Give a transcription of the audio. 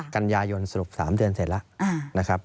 กัญญายนสรุป๓เดือนเสร็จแล้ว